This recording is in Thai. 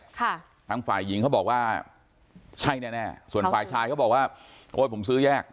ทางฝ่ายหญิงเขาบอกว่าใช่แน่แน่ส่วนฝ่ายชายเขาบอกว่าโอ้ยผมซื้อแยก